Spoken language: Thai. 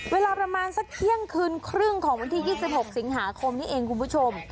เวลาประมาณสักเที่ยงคืนครึ่งของวันที่๒๖สิงหาคมนี้เองคุณผู้ชม